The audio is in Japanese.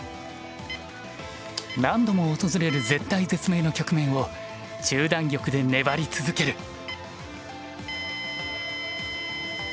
何度も訪れる絶体絶命の局面を中段玉で粘り続ける。